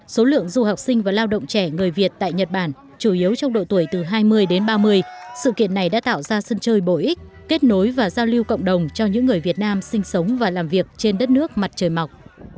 số lượng du học sinh và lao động trẻ người việt tại nhật bản chủ yếu trong độ tuổi từ hai mươi đến ba mươi sự kiện này đã tạo ra sân chơi bổ ích kết nối và giao lưu cộng đồng cho những người việt nam sinh sống và làm việc trên đất nước mặt trời mọc